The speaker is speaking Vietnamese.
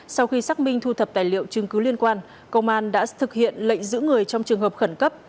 sau khi xác minh thu thập tài liệu chứng cứ liên quan công an đã thực hiện lệnh giữ người trong trường hợp khẩn cấp